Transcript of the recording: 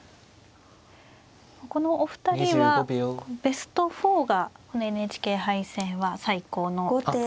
このお二人はベスト４がこのＮＨＫ杯戦は最高の。